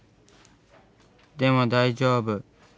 でも大丈夫。